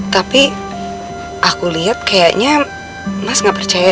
tapi aku liat kayaknya mas gak percaya ya